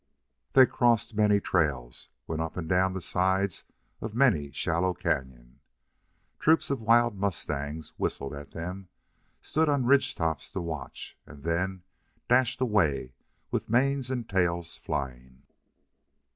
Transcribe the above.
They crossed many trails, and went up and down the sides of many shallow cañon. Troops of wild mustangs whistled at them, stood on ridge tops to watch, and then dashed away with manes and tails flying.